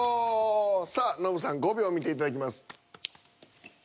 さあノブさん５秒見ていただきます。